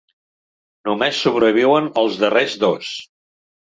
Només sobreviuen els darrers dos.